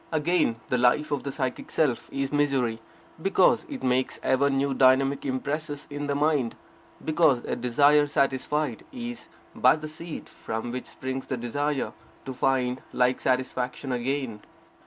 Again, the life of the psychic self is misery, because it makes ever new dynamic impresses in the mind; because a desire satisfied is but the seed from which springs the desire to find like satisfaction again.